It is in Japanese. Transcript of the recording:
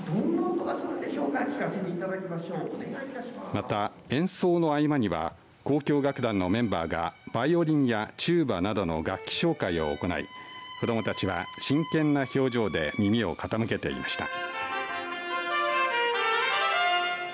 また演奏の合間には交響楽団のメンバーがバイオリンやチューバなどの楽器紹介を行い子どもたちは真剣な表情で耳を傾けていました。